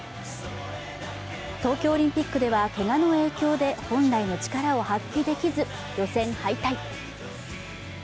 東京オリンピックではけがの影響で本来の力を発揮できず予選敗退。